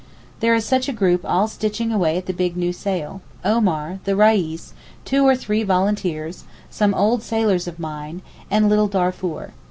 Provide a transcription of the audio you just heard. There is such a group all stitching away at the big new sail; Omar, the Reis, two or three volunteers, some old sailors of mine, and little Darfour.